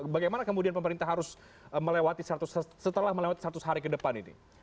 bagaimana kemudian pemerintah harus melewati setelah melewati seratus hari ke depan ini